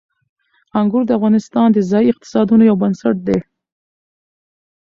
انګور د افغانستان د ځایي اقتصادونو یو بنسټ دی.